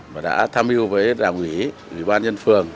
và đã tham mưu với đảng ủy ủy ban nhân phường